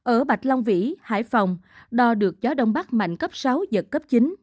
ở bạch long vĩ hải phòng đo được gió đông bắc mạnh cấp sáu giật cấp chín